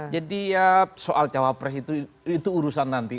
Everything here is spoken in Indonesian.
jadi ya soal cawapres itu urusan nanti